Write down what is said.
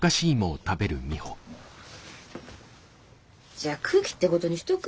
じゃあ空気ってことにしとく？